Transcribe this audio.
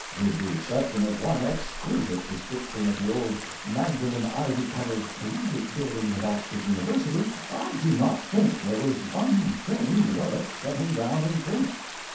With the exception of one exquisite description of the old Magdalen ivy covered collegiate buildings at Oxford University, I do not think there was one thing worth setting down in print.